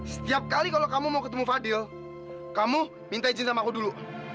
setiap kali kalau kamu mau ketemu fadil kamu minta izin sama aku dulu